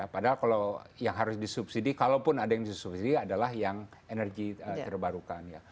padahal kalau yang harus disubsidi kalaupun ada yang disubsidi adalah yang energi terbarukan